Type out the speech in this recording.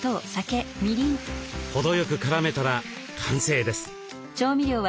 程よく絡めたら完成です。